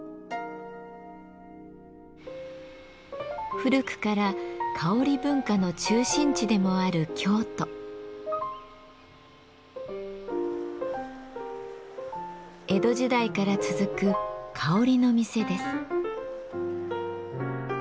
古くから香り文化の中心地でもある江戸時代から続く香りの店です。